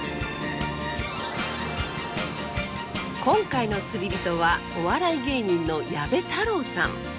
今回の釣りびとはお笑い芸人の矢部太郎さん。